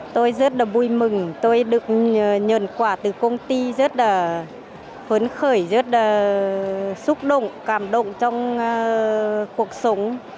tôi rất là vui mừng tôi được nhận quà từ công ty rất là phấn khởi rất là xúc động cảm động trong cuộc sống